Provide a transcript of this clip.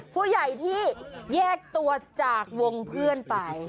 ผู้ใหญ่ที่แยกตัวจากวงเพื่อนไป